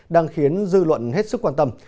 đang khiến dư luận hết sức quan tâm